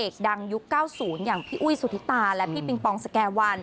ขอบคุณครับ